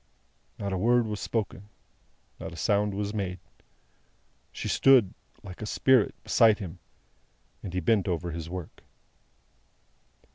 Not a word was spoken, not a sound was made. She stood, like a spirit, beside him, and he bent over his work.